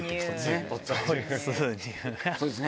そうですね。